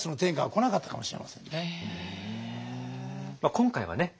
今回はね